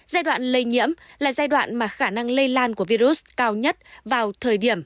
giai đoạn lây nhiễm là giai đoạn mà khả năng lây lan của virus cao nhất vào thời điểm